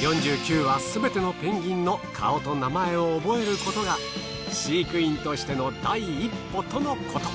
４９羽すべてのペンギンの顔と名前を覚えることが飼育員としての第一歩とのこと。